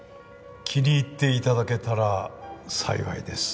気に入って頂けたら幸いです。